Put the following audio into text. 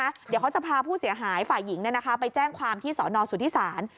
เดี๋ยวเขาจะพาผู้เสียหายฝ่ายหญิงไปแจ้งความที่สอนอสุทธิศาล